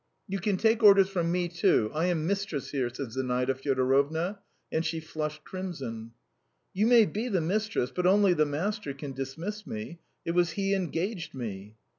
"You can take orders from me, too! I am mistress here!" said Zinaida Fyodorovna, and she flushed crimson. "You may be the mistress, but only the master can dismiss me. It was he engaged me."